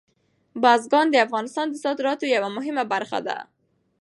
بزګان د افغانستان د صادراتو یوه مهمه برخه ده.